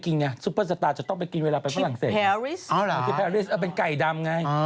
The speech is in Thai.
กินข้าวเบาไหม